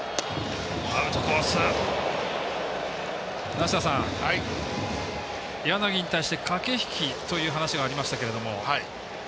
梨田さん、柳に対して駆け引きというお話がありましたけども。